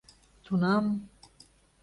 Тунам...